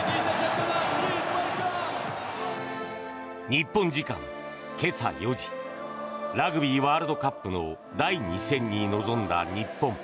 日本時間今朝４時ラグビーワールドカップの第２戦に臨んだ日本。